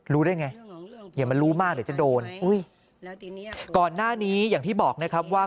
รู้ได้ไงอย่ามารู้มากเดี๋ยวจะโดนอุ้ยก่อนหน้านี้อย่างที่บอกนะครับว่า